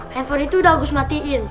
haven itu udah agus matiin